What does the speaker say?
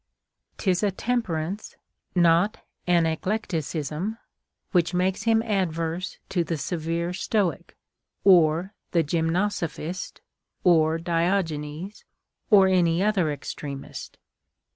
'Tis a temperance, not an eclecticism, which makes him adverse to the severe Stoic, or the Gymnosophist, or Diogenes, or any other extremist.